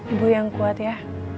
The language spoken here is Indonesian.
ibu yang kuat ya